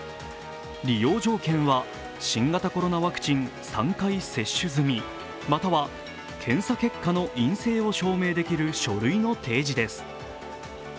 利用条件は、新型コロナワクチン３回接種済みまたは検査結果の陰性を証明できる書類の提示です。